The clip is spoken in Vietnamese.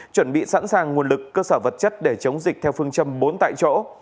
chuẩn bị sẵn sàng nguồn lực cơ sở vật chất để chống dịch theo phương châm bốn tại chỗ